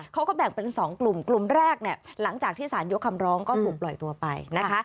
เขาก็แบ่งเป็น๒กลุ่มกลุ่มแรกเนี่ยหลังจากที่สารยกคำร้องก็ถูกปล่อยตัวไปนะคะ